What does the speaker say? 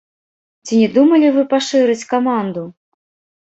Ці не думалі вы пашырыць каманду?